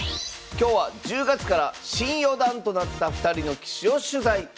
今日は１０月から新四段となった２人の棋士を取材。